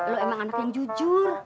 lo emang anak yang jujur